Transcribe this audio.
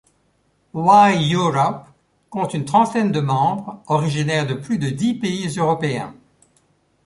WhyEurope compte une trentaine de membres, originaires de plus de dix pays européens.